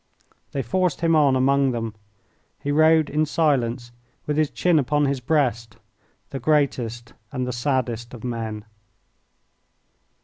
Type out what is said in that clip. They forced him on among them. He rode in silence with his chin upon his breast, the greatest and the saddest of men.